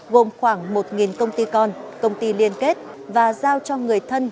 gồm khoảng một công ty con công ty liên kết và giao cho người thân